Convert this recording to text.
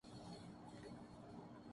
خبرنامے مختلف علاقوں کی خبریں جمع کرتے ہیں۔